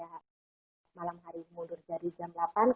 alhamdulillah sudah join teh vivid pada malam hari ini